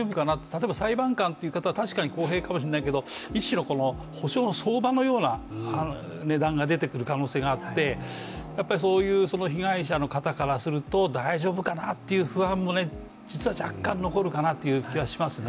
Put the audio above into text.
例えば裁判官という方は公平だけど、一種の補償の相場のような値段が出てくるかもしれなくてそういう被害者の方からすると大丈夫かなという不安も実は若干残るかなという気がしますね。